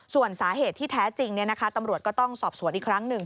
ส่วนสาเหตุที่แท้จริงตำรวจก็ต้องสอบสวนอีกครั้งหนึ่ง